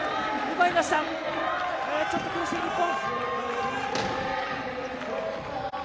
ちょっと苦しい、日本。